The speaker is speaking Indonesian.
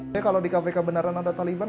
saya kalau di kpk beneran ada taliban